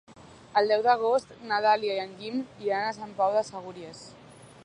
El deu d'agost na Dàlia i en Guim iran a Sant Pau de Segúries.